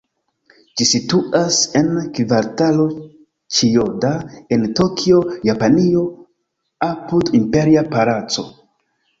Ĝi situas en Kvartalo Ĉijoda, en Tokio, Japanio, apud Imperia Palaco.